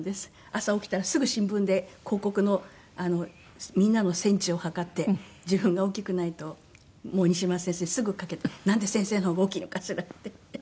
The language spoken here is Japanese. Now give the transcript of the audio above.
朝起きたらすぐ新聞で広告のみんなのセンチを測って自分が大きくないともう西村先生にすぐかけて「なんで先生の方が大きいのかしら？」って言って。